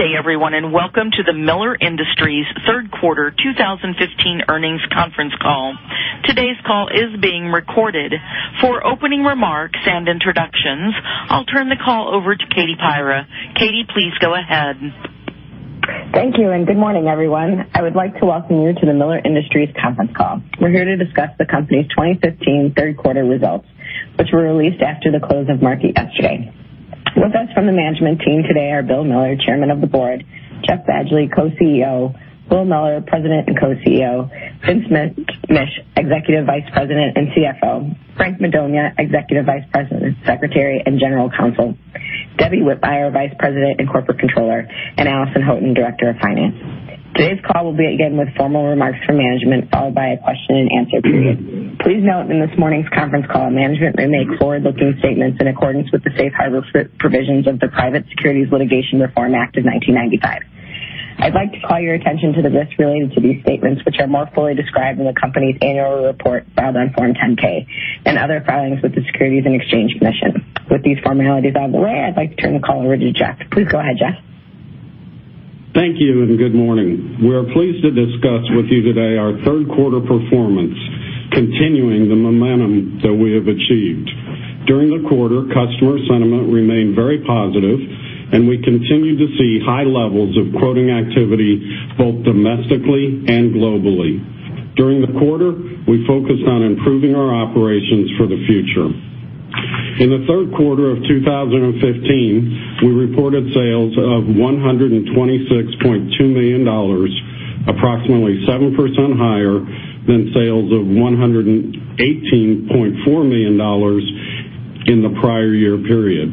Good day everyone, and welcome to the Miller Industries third quarter 2015 earnings conference call. Today's call is being recorded. For opening remarks and introductions, I'll turn the call over to Katie Pyra. Katie, please go ahead. Thank you. Good morning everyone. I would like to welcome you to the Miller Industries conference call. We're here to discuss the company's 2015 third quarter results, which were released after the close of market yesterday. With us from the management team today are Bill Miller, Chairman of the Board, Jeff Badgley, Co-CEO, Will Miller, President and Co-CEO, Vince Mish, Executive Vice President and CFO, Frank Madonia, Executive Vice President, Secretary, and General Counsel, Debbie Whipker, Vice President and Corporate Controller, and Allison Houghton, Director of Finance. Today's call will begin with formal remarks from management, followed by a question and answer period. Please note in this morning's conference call, management may make forward-looking statements in accordance with the safe harbor provisions of the Private Securities Litigation Reform Act of 1995. I'd like to call your attention to the risks related to these statements, which are more fully described in the company's annual report filed on Form 10-K and other filings with the Securities and Exchange Commission. With these formalities out of the way, I'd like to turn the call over to Jeff. Please go ahead, Jeff. Thank you. Good morning. We are pleased to discuss with you today our third quarter performance, continuing the momentum that we have achieved. During the quarter, customer sentiment remained very positive, and we continue to see high levels of quoting activity both domestically and globally. During the quarter, we focused on improving our operations for the future. In the third quarter of 2015, we reported sales of $126.2 million, approximately 7% higher than sales of $118.4 million in the prior year period.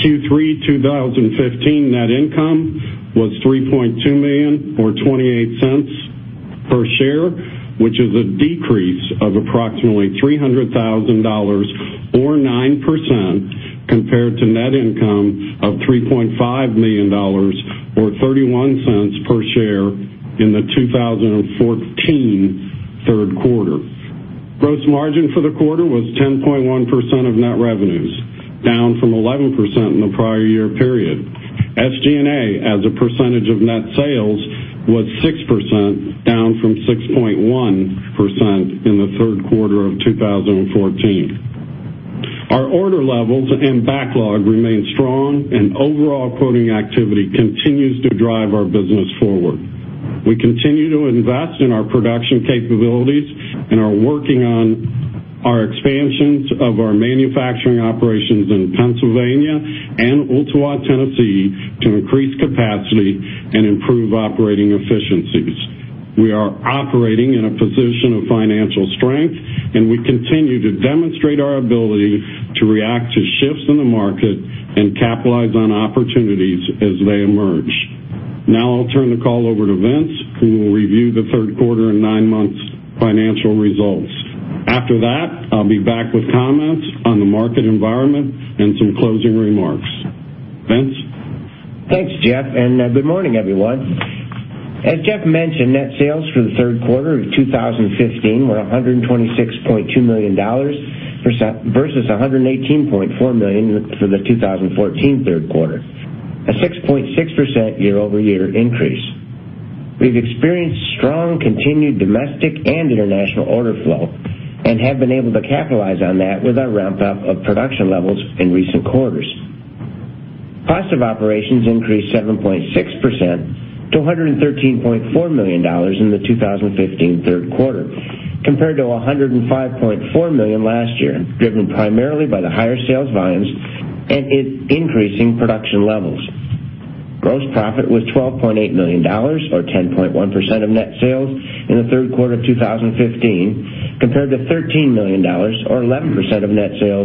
Q3 2015 net income was $3.2 million, or $0.28 per share, which is a decrease of approximately $300,000, or 9%, compared to net income of $3.5 million, or $0.31 per share in the 2014 third quarter. Gross margin for the quarter was 10.1% of net revenues, down from 11% in the prior year period. SG&A as a percentage of net sales was 6%, down from 6.1% in the third quarter of 2014. Our order levels and backlog remain strong, and overall quoting activity continues to drive our business forward. We continue to invest in our production capabilities and are working on our expansions of our manufacturing operations in Pennsylvania and Ooltewah, Tennessee to increase capacity and improve operating efficiencies. We are operating in a position of financial strength, and we continue to demonstrate our ability to react to shifts in the market and capitalize on opportunities as they emerge. I'll turn the call over to Vince, who will review the third quarter and nine months financial results. After that, I'll be back with comments on the market environment and some closing remarks. Vince? Thanks, Jeff, and good morning everyone. As Jeff mentioned, net sales for the third quarter of 2015 were $126.2 million, versus $118.4 million for the 2014 third quarter, a 6.6% year-over-year increase. We've experienced strong continued domestic and international order flow and have been able to capitalize on that with our ramp-up of production levels in recent quarters. Cost of operations increased 7.6% to $113.4 million in the 2015 third quarter, compared to $105.4 million last year, driven primarily by the higher sales volumes and increasing production levels. Gross profit was $12.8 million, or 10.1% of net sales in the third quarter of 2015, compared to $13 million, or 11% of net sales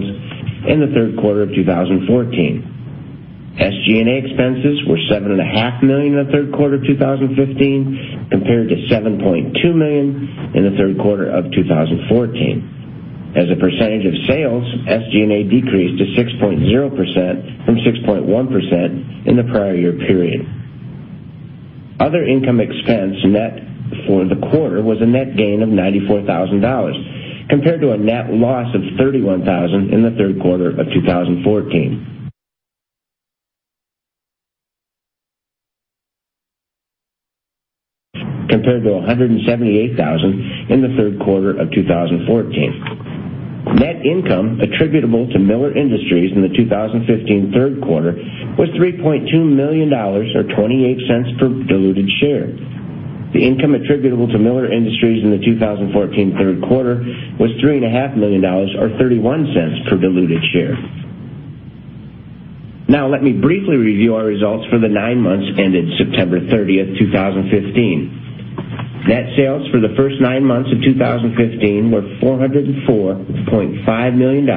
in the third quarter of 2014. SG&A expenses were $7.5 million in the third quarter of 2015, compared to $7.2 million in the third quarter of 2014. As a percentage of sales, SG&A decreased to 6.0% from 6.1% in the prior year period. Other income expense net for the quarter was a net gain of $94,000, compared to a net loss of $31,000 in the third quarter of 2014. Compared to $178,000 in the third quarter of 2014. Net income attributable to Miller Industries in the 2015 third quarter was $3.2 million, or $0.28 per diluted share. The income attributable to Miller Industries in the 2014 third quarter was $3.5 million, or $0.31 per diluted share. Let me briefly review our results for the nine months ended September 30, 2015. Net sales for the first nine months of 2015 were $404.5 million,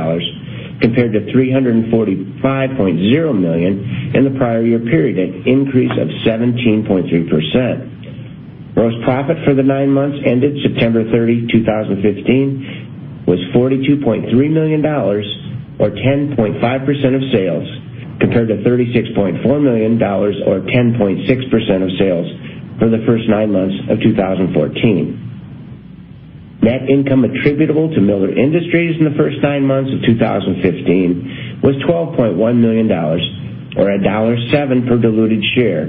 compared to $345.0 million in the prior year period, an increase of 17.3%. Gross profit for the nine months ended September 30, 2015 was $42.3 million, or 10.5% of sales, compared to $36.4 million, or 10.6% of sales for the first nine months of 2014. Net income attributable to Miller Industries in the first nine months of 2015 was $12.1 million, or $1.07 per diluted share,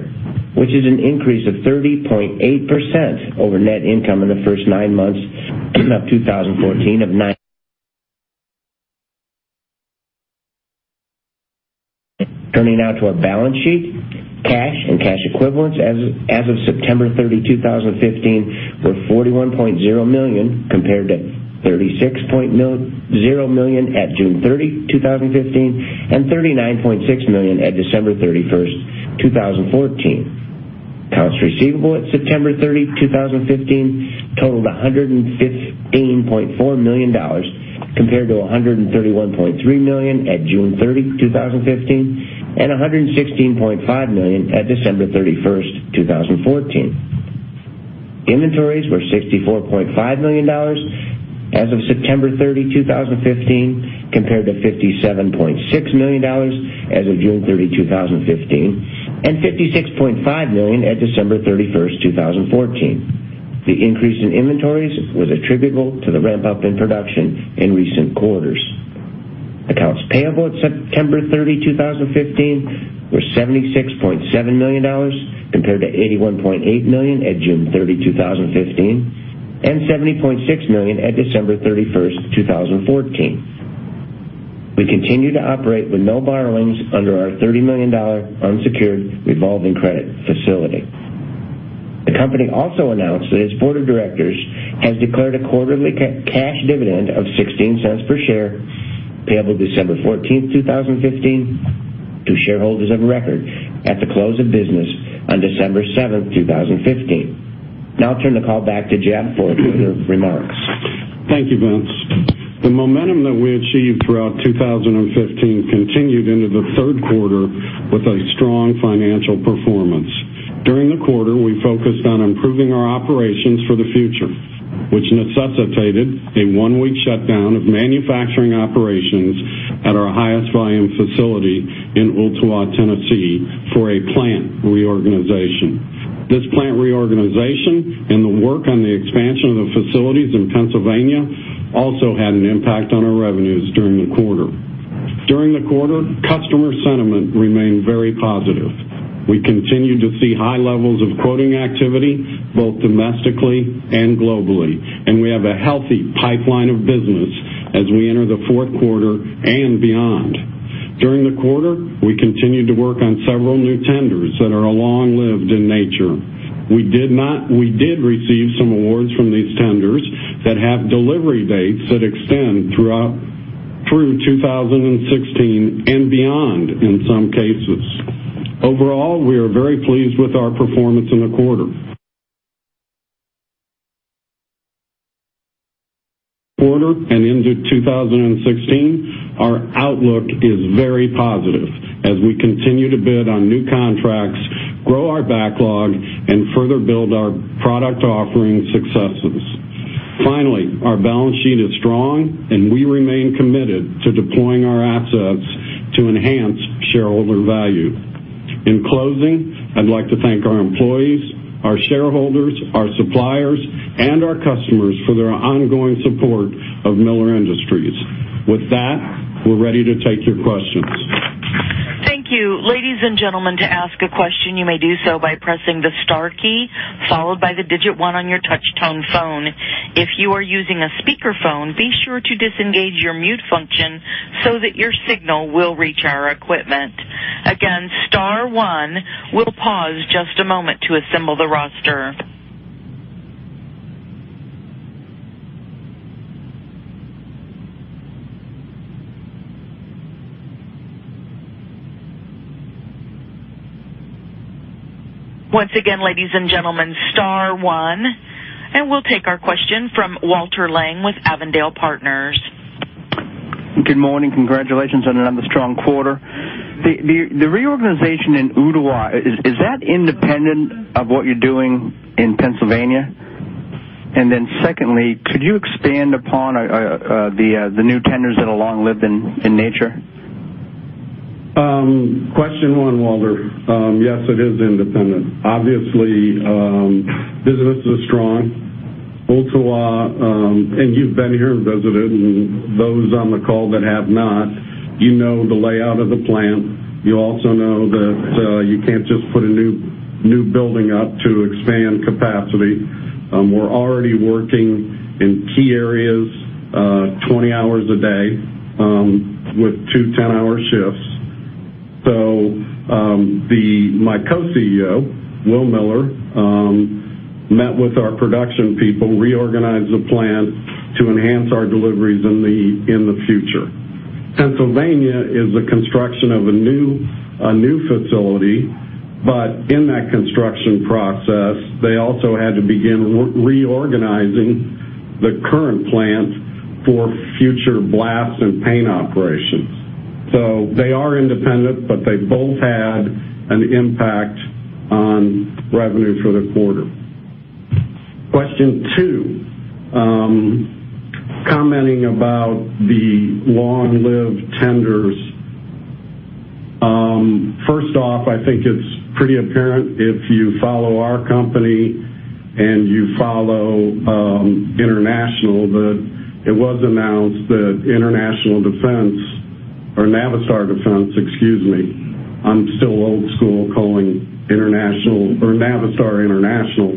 which is an increase of 30.8% over net income in the first nine months of 2014. Turning now to our balance sheet. Cash and cash equivalents as of September 30, 2015, were $41.0 million compared to $36.0 million at June 30, 2015, and $39.6 million at December 31, 2014. Accounts receivable at September 30, 2015, totaled $115.4 million, compared to $131.3 million at June 30, 2015, and $116.5 million at December 31, 2014. Inventories were $64.5 million as of September 30, 2015, compared to $57.6 million as of June 30, 2015, and $56.5 million at December 31, 2014. The increase in inventories was attributable to the ramp-up in production in recent quarters. Accounts payable at September 30, 2015, were $76.7 million, compared to $81.8 million at June 30, 2015, and $70.6 million at December 31, 2014. We continue to operate with no borrowings under our $30 million unsecured revolving credit facility. The company also announced that its board of directors has declared a quarterly cash dividend of $0.16 per share, payable December 14, 2015, to shareholders of record at the close of business on December 7, 2015. I'll turn the call back to Jeff for closing remarks. Thank you, Vince. The momentum that we achieved throughout 2015 continued into the third quarter with a strong financial performance. During the quarter, we focused on improving our operations for the future, which necessitated a one-week shutdown of manufacturing operations at our highest volume facility in Ooltewah, Tennessee, for a plant reorganization. This plant reorganization and the work on the expansion of the facilities in Pennsylvania also had an impact on our revenues during the quarter. During the quarter, customer sentiment remained very positive. We continued to see high levels of quoting activity both domestically and globally, and we have a healthy pipeline of business as we enter the fourth quarter and beyond. During the quarter, we continued to work on several new tenders that are long-lived in nature. We did receive some awards from these tenders that have delivery dates that extend through 2016 and beyond in some cases. Overall, we are very pleased with our performance in the quarter. Into 2016, our outlook is very positive as we continue to bid on new contracts, grow our backlog, and further build our product offering successes. Finally, our balance sheet is strong, and we remain committed to deploying our assets to enhance shareholder value. In closing, I'd like to thank our employees, our shareholders, our suppliers, and our customers for their ongoing support of Miller Industries. With that, we're ready to take your questions. Thank you. Ladies and gentlemen, to ask a question, you may do so by pressing the star key, followed by the digit 1 on your touch tone phone. If you are using a speakerphone, be sure to disengage your mute function so that your signal will reach our equipment. Again, star one. We'll pause just a moment to assemble the roster. Once again, ladies and gentlemen, star one. We'll take our question from Walter Leng with Avondale Partners. Good morning. Congratulations on another strong quarter. The reorganization in Ooltewah, is that independent of what you're doing in Pennsylvania? Secondly, could you expand upon the new tenders that are long-lived in nature? Question one, Walter. Yes, it is independent. Obviously, business is strong. Ooltewah, and you've been here and visited, and those on the call that have not, you know the layout of the plant. You also know that you can't just put a new building up to expand capacity. We're already working in key areas 20 hours a day with two 10-hour shifts. My Co-CEO, Will Miller, met with our production people, reorganized the plant to enhance our deliveries in the future. Pennsylvania is the construction of a new facility, but in that construction process, they also had to begin reorganizing the current plant for future blast and paint operations. They are independent, but they both had an impact on revenue for the quarter. Question two, commenting about the long-lived tenders. First off, I think it's pretty apparent if you follow our company and you follow International, that it was announced that Navistar Defense, excuse me, I'm still old school calling Navistar International,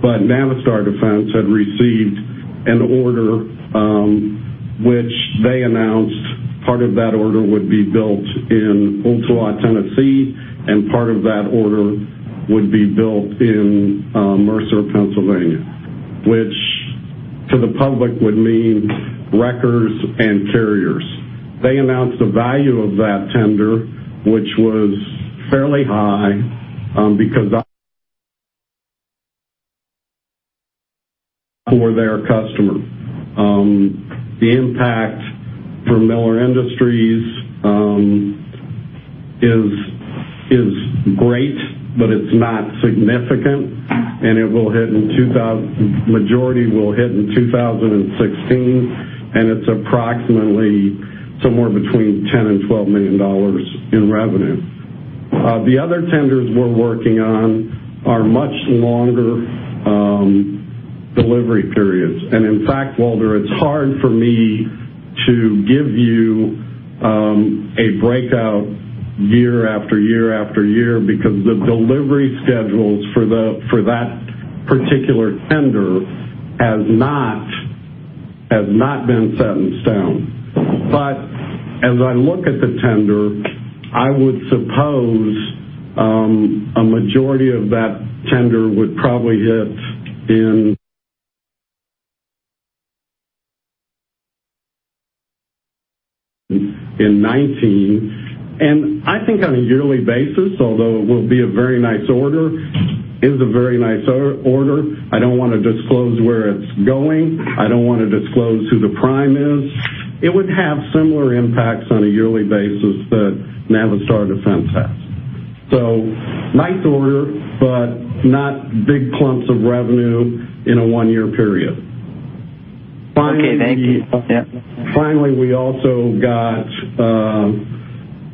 but Navistar Defense had received an order, which they announced part of that order would be built in Ooltewah, Tennessee, and part of that order would be built in Mercer, Pennsylvania, which to the public would mean wreckers and carriers. They announced the value of that tender, which was fairly high because for their customer. The impact for Miller Industries is great, but it's not significant, and majority will hit in 2016, and it's approximately somewhere between $10 million and $12 million in revenue. The other tenders we're working on are much longer delivery periods. In fact, Walter, it's hard for me to give you a breakout year after year after year because the delivery schedules for that particular tender has not been set in stone. As I look at the tender, I would suppose a majority of that tender would probably hit in 2019. I think on a yearly basis, although it will be a very nice order, is a very nice order. I don't want to disclose where it's going. I don't want to disclose who the prime is. It would have similar impacts on a yearly basis that Navistar Defense has. Nice order, but not big clumps of revenue in a one-year period. Okay, thank you. Yep. We also got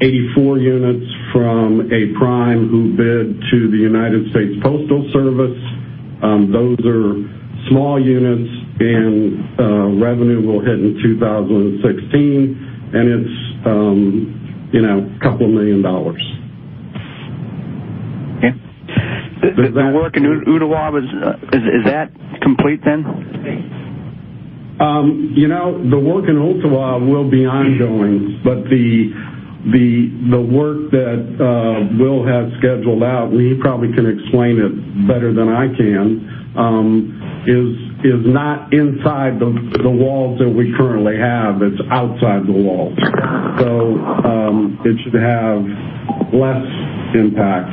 84 units from a prime who bid to the United States Postal Service. Those are small units and revenue will hit in 2016, it's a couple million dollars. Yeah. The work in Ooltewah, is that complete then? The work in Ooltewah will be ongoing, but the work that Will had scheduled out, and he probably can explain it better than I can is not inside the walls that we currently have. It's outside the walls. It should have less impact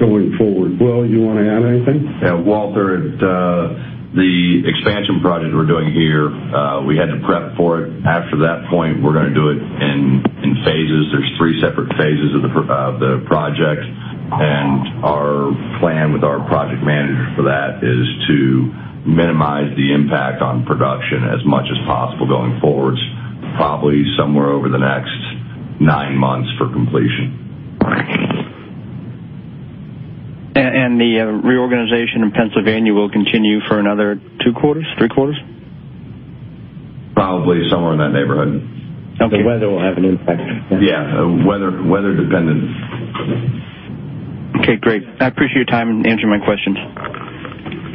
going forward. Will, you want to add anything? Yeah, Walter, the expansion project we're doing here, we had to prep for it. After that point, we're going to do it in phases. There's 3 separate phases of the project, and our plan with our project manager for that is to minimize the impact on production as much as possible going forward. It's probably somewhere over the next nine months for completion. The reorganization in Pennsylvania will continue for another 2 quarters, 3 quarters? Probably somewhere in that neighborhood. Okay. The weather will have an impact. Yeah. Weather dependent. Okay, great. I appreciate your time in answering my questions.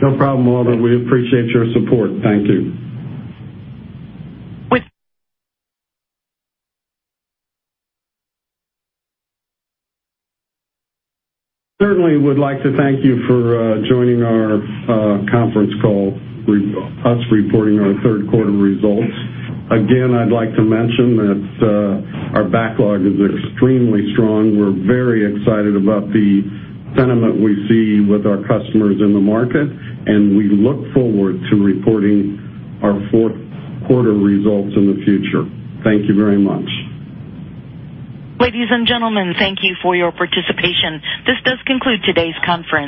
No problem, Walter. We appreciate your support. Thank you. Certainly would like to thank you for joining our conference call, us reporting our third quarter results. Again, I'd like to mention that our backlog is extremely strong. We're very excited about the sentiment we see with our customers in the market, and we look forward to reporting our fourth quarter results in the future. Thank you very much. Ladies and gentlemen, thank you for your participation. This does conclude today's conference.